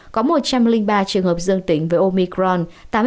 có một trăm linh ba trường hợp dương tỉnh với omicron tám mươi sáu